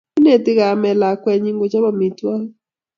Ineti kamet lakwenyi kochop amitwogik